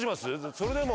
それでも。